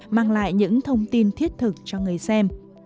mang lại những thông tin thiết thực cho người xem